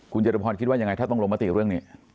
คุณจตุพรคิดว่ายังไงถ้าต้องลงมติเรื่องนี้